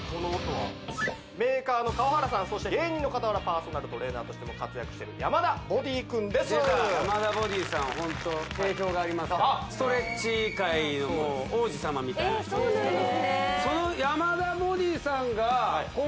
メーカーの河原さんそして芸人の傍らパーソナルトレーナーとしても活躍してる山田ＢＯＤＹくんです出た山田ＢＯＤＹさんはホント定評がありますからストレッチ界のもう王子様みたいな人ですからええそうなんですね